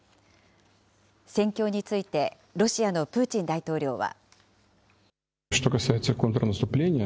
戦況について、ロシアのプーチン大統領は。